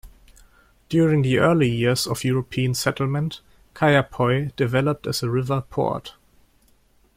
During the early years of European settlement, Kaiapoi developed as a river port.